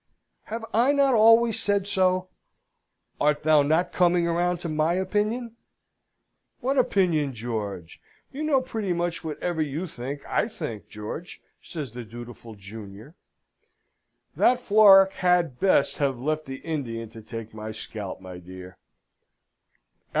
"Have I not always said so? Art thou not coming round to my opinion?" "What opinion, George? You know pretty much whatever you think, I think, George!" says the dutiful junior. "That Florac had best have left the Indian to take my scalp, my dear!"